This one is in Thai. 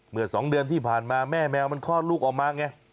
เมื่อ๒เดือนที่ผ่านมาแม่แมวมันคลอดลูกออกมาไง